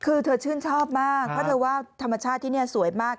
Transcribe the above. คือเธอชื่นชอบมากเพราะเธอว่าธรรมชาติที่นี่สวยมาก